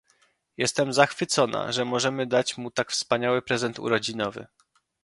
Jestem zachwycona, że możemy dać mu tak wspaniały prezent urodzinowy